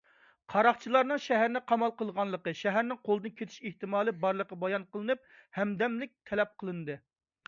قاراقچىلارنىڭ شەھەرنى قامال قىلغانلىقى، شەھەرنىڭ قولدىن كېتىش ئېھتىمالى بارلىقى بايان قىلىنىپ، ھەمدەملىك تەلەپ قىلىندى.